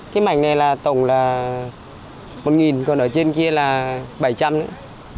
cái mảnh này là tổng là một còn ở trên kia là bảy trăm linh nữa